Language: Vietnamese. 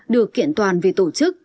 được kiện toàn vì tổ chức